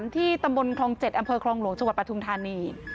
ที่ตำบลคลอง๗อำเภอคลองหลวงจังหวัดปทุมธานี